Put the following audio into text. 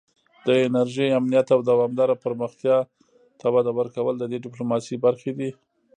د انرژۍ امنیت او دوامداره پراختیا ته وده ورکول د دې ډیپلوماسي برخې دي